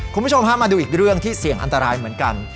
คุณผู้ชมฮะมาดูอีกเรื่องที่เสี่ยงอันตรายเหมือนกัน